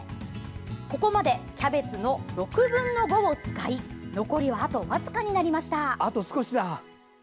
ここまでキャベツの６分の５を使い残りは、あと僅かになりました。